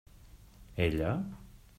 Ella?